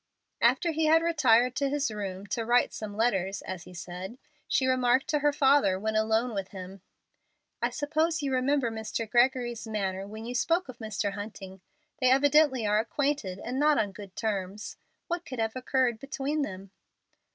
After he had retired to his room to write some letters, as he said, she remarked to her father when alone with him: "I suppose you remember Mr. Gregory's manner when you spoke of Mr. Hunting. They evidently are acquainted and not on good terms. What could have occurred between them?"